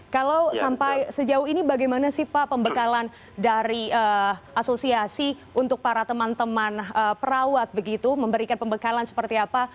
kalau sampai sejauh ini bagaimana sih pak pembekalan dari asosiasi untuk para teman teman perawat begitu memberikan pembekalan seperti apa